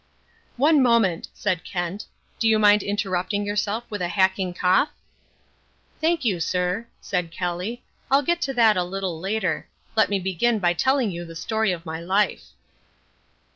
"One moment," said Kent, "do you mind interrupting yourself with a hacking cough?" "Thank you, sir," said Kelly, "I'll get to that a little later. Let me begin by telling you the story of my life."